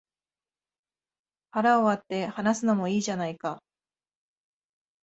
腹を割って話すのもいいじゃないか